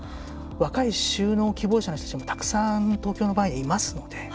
若い就農希望者の人たちも東京の場合はいますので。